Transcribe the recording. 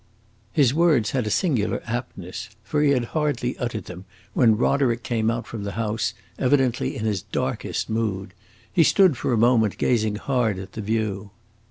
His words had a singular aptness, for he had hardly uttered them when Roderick came out from the house, evidently in his darkest mood. He stood for a moment gazing hard at the view.